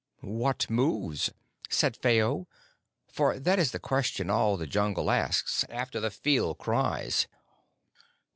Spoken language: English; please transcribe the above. "What moves?" said Phao, for that is the question all the Jungle asks after the pheeal cries.